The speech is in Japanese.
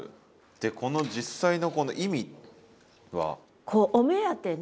でこの実際の意味は？